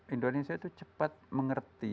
indonesia itu cepat mengerti